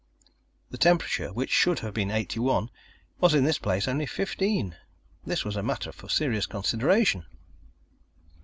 The temperature, which should have been eighty one, was in this place only fifteen. This was a matter for serious consideration.